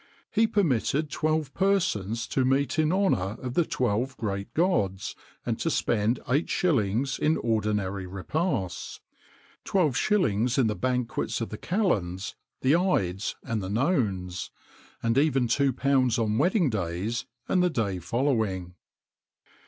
He permitted twelve persons to meet in honour of the twelve great gods, and to spend eight shillings in ordinary repasts; twelve shillings in the banquets of the calends, the ides, and the nones; and even two pounds on wedding days and the day following.